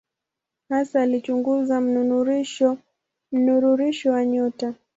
Hasa alichunguza mnururisho wa nyota.